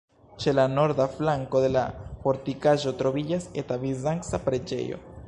Ĉe la norda flanko de la fortikaĵo troviĝas eta bizanca preĝejo.